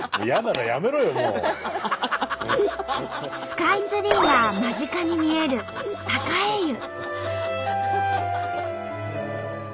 スカイツリーが間近に見える栄湯。